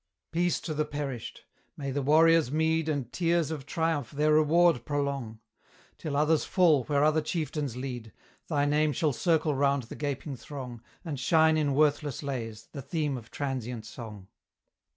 Peace to the perished! may the warrior's meed And tears of triumph their reward prolong! Till others fall where other chieftains lead, Thy name shall circle round the gaping throng, And shine in worthless lays, the theme of transient song.